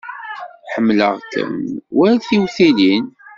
Ḥemmleɣ-ken war tiwtilin.